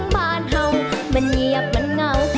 บานเฮามันเงียบเหมือนเงา